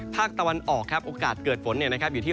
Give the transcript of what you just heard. ภาคตะวันออกครับโอกาสเกิดฝนอยู่ที่